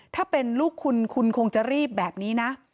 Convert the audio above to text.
ถ้าเป็นลูกคุณคุณคงจะรีบแบบนี้นะ